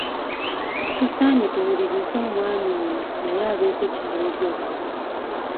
Tusaanye tuwulirize omwami ono naye abeeko ky'ayogera.